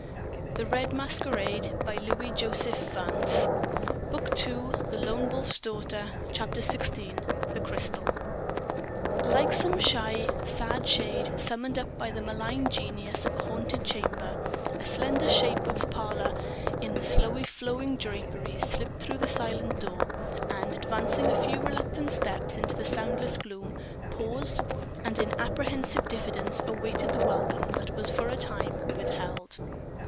When one is of an age to love, it is never the parent who gets the benefit of a doubt. XVI THE CRYSTAL Like some shy, sad shade summoned up by the malign genius of a haunted chamber, a slender shape of pallor in softly flowing draperies slipped through the silent door and, advancing a few reluctant steps into the soundless gloom, paused and in apprehensive diffidence awaited the welcome that was for a time withheld.